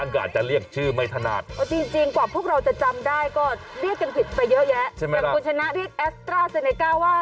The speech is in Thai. ก็เรียกกันผิดไปเยอะแยะแต่คุณชนะที่แอสตราเซนเนก้าว่า